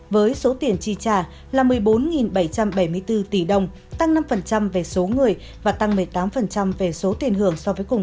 với số tiền chi trả là một mươi bốn bảy trăm bảy mươi bốn tỷ đồng tăng năm về số người và tăng một mươi tám